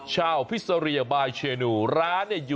ชาวพิซหรีบายเชนหนิ